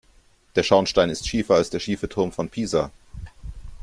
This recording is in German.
Der Schornstein ist schiefer als der schiefe Turm von Pisa.